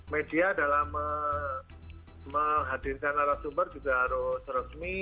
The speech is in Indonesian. media dalam menghadirkan arah sumber juga harus resmi